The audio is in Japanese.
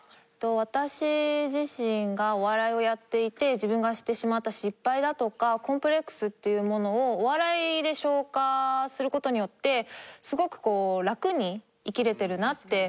私自身がお笑いをやっていて自分がしてしまった失敗だとかコンプレックスっていうものをお笑いで昇華する事によってすごくこう楽に生きられてるなって感じるのですね。